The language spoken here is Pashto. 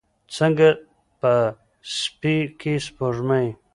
څنګه په سیپۍ کې سپوږمۍ